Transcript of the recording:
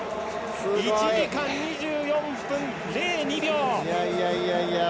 １時間２４分０２秒。